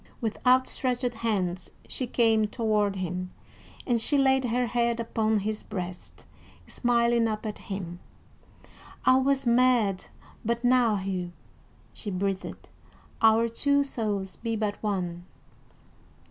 With outstretched hands she came toward him, and she laid her head upon his breast, smiling up at him. "I was mad but now, Hugh," she breathed. "Our two souls be but one."